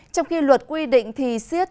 trong khi luật quy định thì siết